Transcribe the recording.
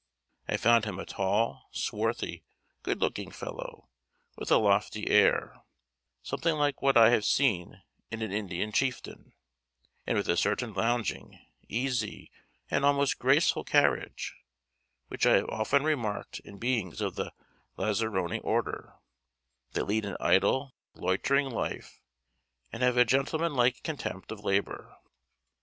I found him a tall, swarthy, good looking fellow, with a lofty air, something like what I have seen in an Indian chieftain; and with a certain lounging, easy, and almost graceful carriage, which I have often remarked in beings of the lazzaroni order, that lead an idle, loitering life, and have a gentleman like contempt of labour.